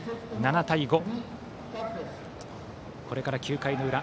７対５、これから９回の裏。